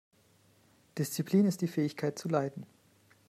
Disziplin ist die Fähigkeit zu leiden.